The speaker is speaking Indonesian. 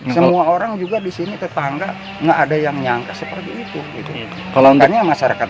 semua orang juga di sini tetangga enggak ada yang nyangka seperti itu kalau enggaknya masyarakat